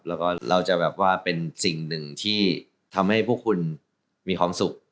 แล้วก็เราจะแบบว่าเป็นสิ่งหนึ่งที่ทำให้พวกคุณมีความสุข